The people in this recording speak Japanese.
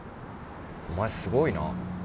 お前すごいな。